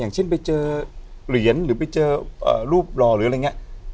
อย่างเช่นไปเจอเหรียญหรือไปเจอรูปหล่อหรืออะไรอย่างนี้